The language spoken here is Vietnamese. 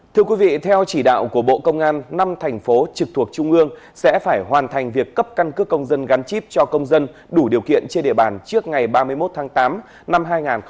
thưa quý vị theo chỉ đạo của bộ công an năm thành phố trực thuộc trung ương sẽ phải hoàn thành việc cấp căn cước công dân gắn chip cho công dân đủ điều kiện trên địa bàn trước ngày ba mươi một tháng tám năm hai nghìn hai mươi